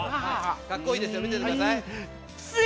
かっこいいですよ、見ててください。